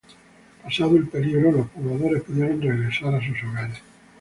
Pasado el peligro, los pobladores pudieron regresar a sus hogares.